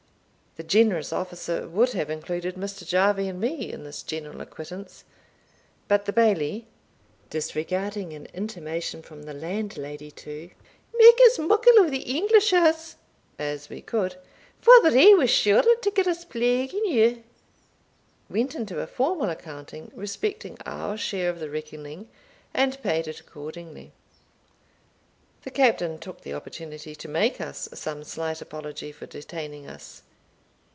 The generous officer would have included Mr. Jarvie and me in this general acquittance; but the Bailie, disregarding an intimation from the landlady to "make as muckle of the Inglishers as we could, for they were sure to gie us plague eneugh," went into a formal accounting respecting our share of the reckoning, and paid it accordingly. The Captain took the opportunity to make us some slight apology for detaining us.